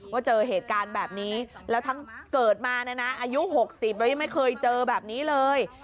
ว่าเจอเหตุการณ์แบบนี้แล้วทั้งเกิดมาเนี่ยนะอายุ๖๐แล้วยังไม่เคยเจอแบบนี้เลย